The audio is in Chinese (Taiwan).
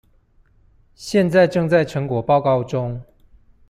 現在正在成果報告中